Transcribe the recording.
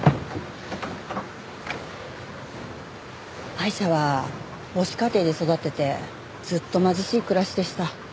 アイシャは母子家庭で育っててずっと貧しい暮らしでした。